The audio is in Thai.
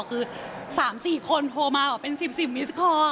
คือ๓๔คนโทรมาบอกเป็น๑๐มิสคอร์